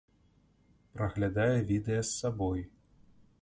Праглядае відэа з сабой.